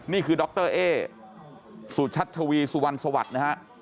นี่คือดรเอสุชัชวีสุวรรณสวัสดิ์นะฮะ